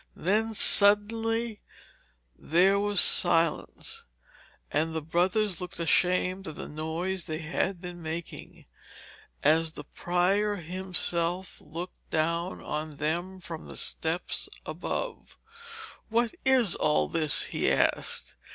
Then suddenly there was silence, and the brothers looked ashamed of the noise they had been making, as the prior himself looked down on them from the steps above. 'What is all this?' he asked.